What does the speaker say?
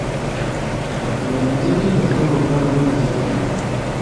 په پلورنځي کې د خلکو ګڼه ګوڼه زیاته وي.